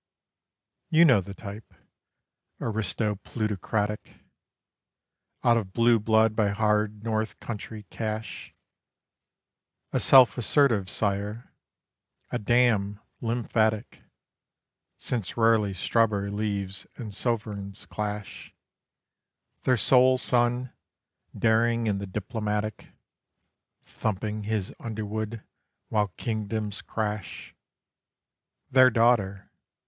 You know the type aristo plutocratic, Out of blue blood by hard North Country cash; A self assertive sire; a dam, lymphatic (Since rarely strawberry leaves and sovereigns clash); Their sole son, daring in the diplomatic (Thumping his Underwood while kingdoms crash); Their daughter